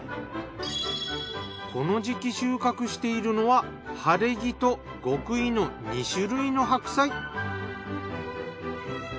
この時期収穫しているのは晴黄と極意の２種類の白菜。